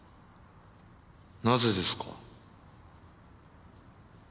なぜですか？